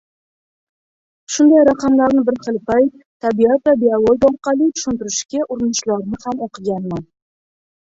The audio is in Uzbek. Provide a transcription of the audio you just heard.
Shunday raqamlarni bir xil payt, tabiat va biologiya orqali tushuntirishga urinishlarni ham o‘qiganman.